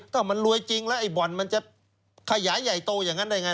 ถ้ามันรวยจริงแล้วไอ้บ่อนมันจะขยายใหญ่โตอย่างนั้นได้ไง